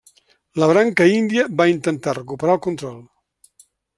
La branca índia va intentar recuperar el control.